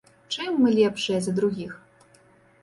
Чым мы лепшыя за другіх?